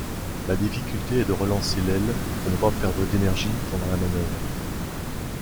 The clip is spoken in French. La difficulté est de relancer l'aile pour ne pas perdre d'énergie pendant la manœuvre.